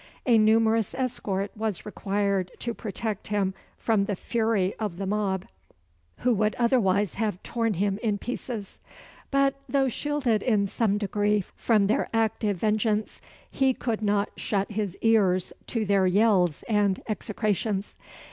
A numerous escort was required to protect him from the fury of the mob, who would otherwise have torn him in pieces; but, though shielded in some degree from their active vengeance, he could not shut his ears to their yells and execrations.